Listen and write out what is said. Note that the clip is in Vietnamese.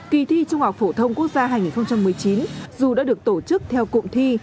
kỳ thi trung học phổ thông quốc gia hai nghìn một mươi chín dù đã được tổ chức theo cụm thi